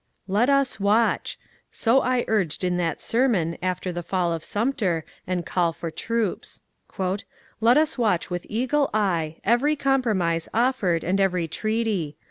V^Let us watch," so I urged in that first sermon after the^fall of Sumter and call for troops. Let us watch with eagle eye every compromise offered and every treaty.